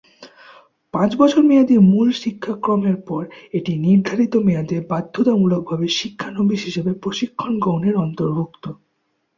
পাঁচ বছর মেয়াদী মূল শিক্ষাক্রমের পর একটি নির্ধারিত মেয়াদে বাধ্যতামূলকভাবে শিক্ষানবিশ হিসেবে প্রশিক্ষণ গ্রহণ এর অন্তর্ভুক্ত।